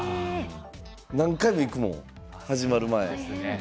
何回も行くもん、始まる前。